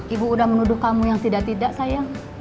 ibu udah menuduh kamu yang tidak tidak sayang